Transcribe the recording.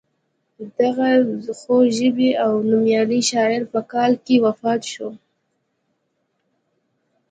دغه خوږ ژبی او نومیالی شاعر په کال کې وفات شو.